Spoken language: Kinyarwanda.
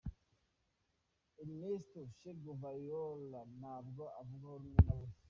Ernesto Che Guevara ntabwo avugwaho rumwe na bose.